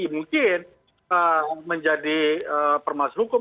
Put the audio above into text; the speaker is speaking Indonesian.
mungkin menjadi permas hukum